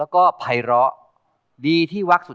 จ้าวรอคอย